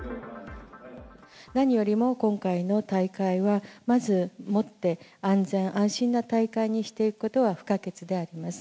何よりも今回の大会は、まずもって安全安心な大会にしていくことは不可欠であります。